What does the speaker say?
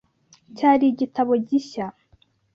Cyari igitabo gishya .